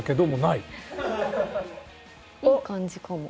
いい感じかも。